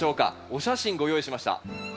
お写真ご用意しました。